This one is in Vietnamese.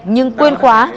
nhưng quên khóa